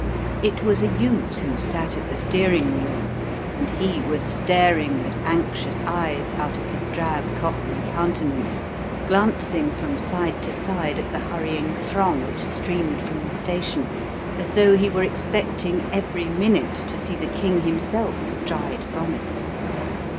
It was a youth who sat at the steering wheel and he was staring with anxious eyes out of his drab, cockney countenance, glancing from side to side at the hurrying throng which streamed from the station as though he were expect ing every minute to see the King himself stride from it.